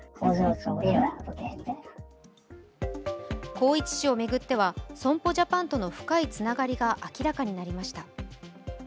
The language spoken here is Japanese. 宏一氏を巡っては損保ジャパンとの深いつながりが明らかになりました。